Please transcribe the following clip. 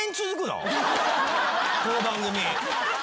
この番組。